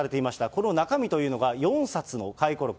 この中身というのが、４冊の回顧録。